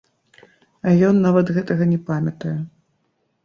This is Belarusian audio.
А ён нават гэтага не памятае.